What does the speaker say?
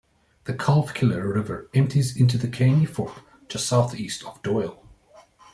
The Calfkiller River empties into the Caney Fork just southeast of Doyle.